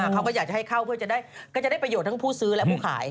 เขาก็อยากจะให้เข้าเพื่อจะได้ประโยชน์ทั้งผู้ซื้อและผู้ขาย